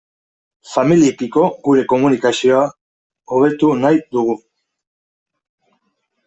Familiekiko gure komunikazio hobetu nahi dugu.